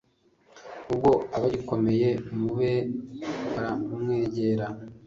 ubwo abagikomeye mu be baramwegera